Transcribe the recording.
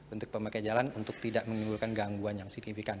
untuk pemakaian jalan untuk tidak mengimbulkan gangguan yang signifikan